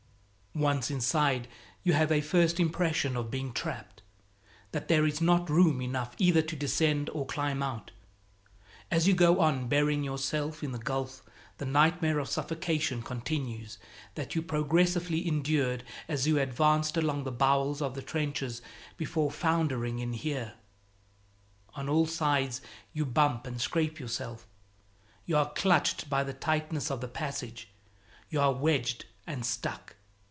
Once inside you have a first impression of being trapped that there is not room enough either to descend or climb out. As you go on burying yourself in the gulf, the nightmare of suffocation continues that you progressively endured as you advanced along the bowels of the trenches before foundering in here. On all sides you bump and scrape yourself, you are clutched by the tightness of the passage, you are wedged and stuck.